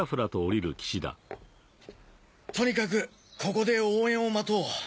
とにかくここで応援を待とう。